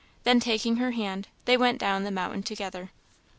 Then taking her hand, they went down the mountain together.